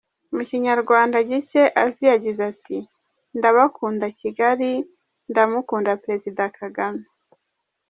Mu Kinyarwanda gike azi yagize ati “Ndabakunda Kigali, ndamukunda Perezida Kagame.